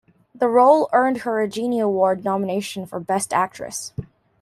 The role earned her a Genie Award nomination for Best Actress.